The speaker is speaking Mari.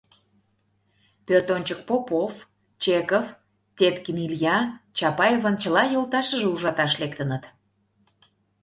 Пӧртӧнчык Попов, Чеков, Теткин Илья, Чапаевын чыла йолташыже ужаташ лектыныт.